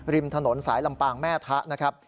ริมถนนสายลำปางแม่ทะนะครับ